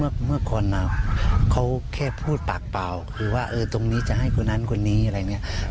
เมื่อก่อนเขาแค่พูดปากเปล่าคือว่าตรงนี้จะให้คนนั้นคนนี้อะไรอย่างนี้